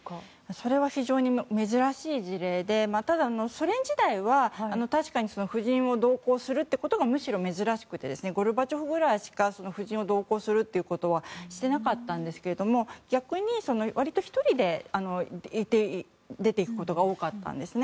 それは非常に珍しい事例でただ、ソ連時代は確かに夫人を同行するということがむしろ珍しくてゴルバチョフくらいしか夫人を同行させるということはしなかったんですが逆に、割と１人で出ていくことが多かったんですね。